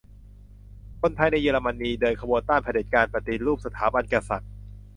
คนไทยในเยอรมนี เดินขบวนต้านเผด็จการ ปฏิรูปสถาบันกษัตริย์